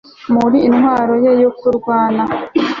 muri intwaro ye yo kurwana